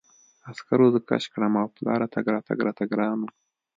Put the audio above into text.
عسکرو زه کش کړم او په لاره تګ راته ګران و